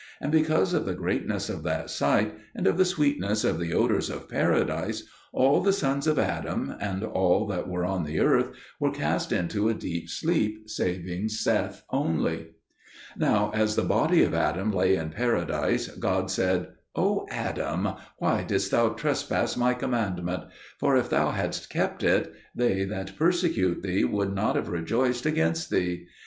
And because of the greatness of that sight, and of the sweetness of the odours of Paradise, all the sons of Adam, and all that were on the earth, were cast into a deep sleep, saving Seth only. Now as the body of Adam lay in Paradise, God said, "O Adam, why didst thou transgress My commandment? For if thou hadst kept it, they that persecute thee would not have rejoiced against thee.